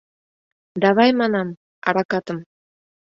Давай, манам, аракатым.